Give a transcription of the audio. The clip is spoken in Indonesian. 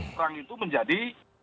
perang itu menjadi